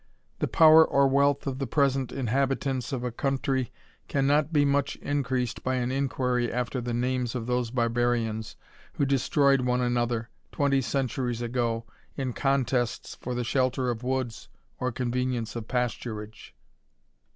The power or wealth of the present inhab itants of a country cannot be much increased by an inquiry after the names of those barbarians, who destroyed one another, twenty centuries ago, in contests for the shelter of woods or convenience of pasturage.